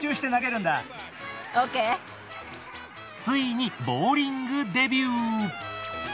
ついにボウリングデビュー。